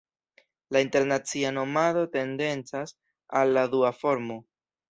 La internacia nomado tendencas al la dua formo.